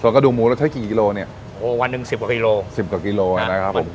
ส่วนกระดูกหมูเราใช้กี่กิโลเนี่ยโอ้วันหนึ่งสิบกว่ากิโลสิบกว่ากิโลนะครับผม